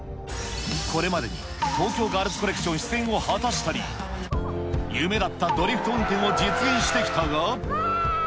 これまでに、東京ガールズコレクション出演を果たしたり、夢だったドリフト運転を実現してきたが。